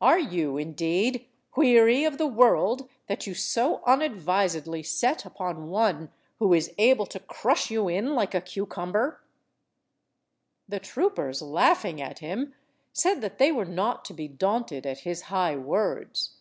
Are you, indeed, weary of the world that you so unadvisedly set upon one who is able to crush you in like a cucumber?" The troopers, laughing at him, said that they were not to be daunted at his high words.